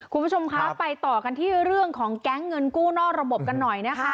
คุณผู้ชมคะไปต่อกันที่เรื่องของแก๊งเงินกู้นอกระบบกันหน่อยนะคะ